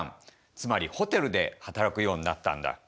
つまりホテルで働くようになったんだ。